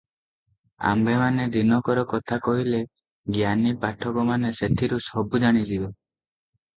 ଆମ୍ଭେମାନେ ଦିନକର କଥା କହିଲେ ଜ୍ଞାନୀ ପାଠକମାନେ ସେଥିରୁ ସବୁ ଜାଣିଯିବେ ।